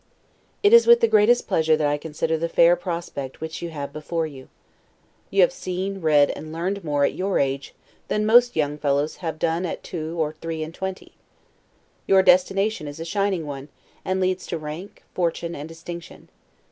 It is with the greatest pleasure that I consider the fair prospect which you have before you. You have seen, read, and learned more, at your age, than most young fellows have done at two or three and twenty. Your destination is a shining one, and leads to rank, fortune, and distinction.